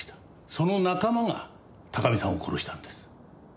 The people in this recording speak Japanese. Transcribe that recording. その仲間が高見さんを殺したんです。